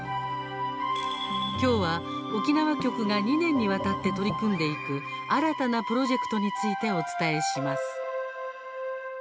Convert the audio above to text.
きょうは、沖縄局が２年にわたって取り組んでいく新たなプロジェクトについてお伝えします。